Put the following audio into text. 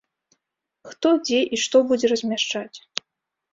Хто, дзе і што будзе размяшчаць.